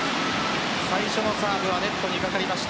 最初のサーブはネットにかかりました。